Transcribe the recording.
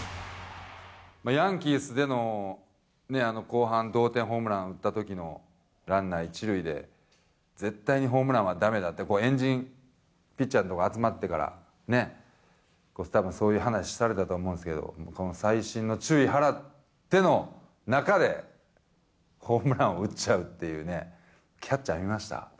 ヤンキースでの後半、同点ホームラン打ったときのランナー１塁で、絶対にホームランはだめだと、円陣、ピッチャーの所に集まってからね、たぶんそういう話されたと思うんですけど、細心の注意払っての中で、ホームランを打っちゃうっていうね、キャッチャー見ました？